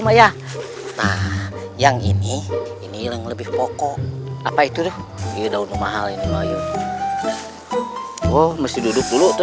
maya nah yang ini ini yang lebih pokok apa itu tuh iya daun mahal ini maju oh masih duduk dulu